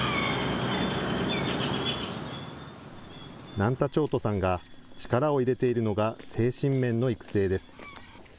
ナンタチョートさんが力を入れているのが、精神面の育成です。